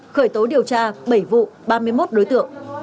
khởi tố điều tra bảy vụ ba mươi một đối tượng